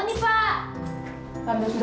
pun defeat itu memang membenci papa